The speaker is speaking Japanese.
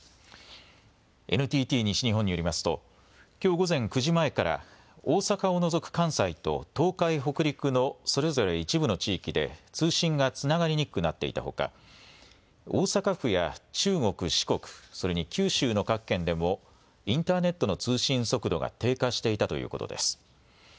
ＮＴＴ西日本によりますときょう午前９時前から大阪を除く関西と東海・北陸のそれぞれ一部の地域で通信がつながりにくくなっていたほか大阪府や中国・四国、それに九州の各県でもインターネットの通信速度が低下していたということです。